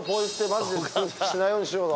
マジでしないようにしような。